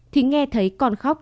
thì nghe thấy con khóc